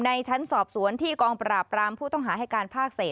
ชั้นสอบสวนที่กองปราบรามผู้ต้องหาให้การภาคเศษ